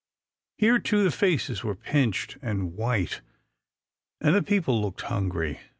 Here, too, the faces were pinched and white, and the people looked hungry.